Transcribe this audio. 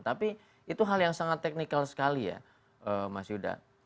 tapi itu hal yang sangat teknikal sekali ya mas yuda